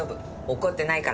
怒ってないから。